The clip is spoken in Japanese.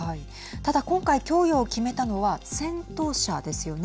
ただ、今回供与を決めたのは戦闘車ですよね。